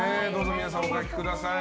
皆さん、お書きください。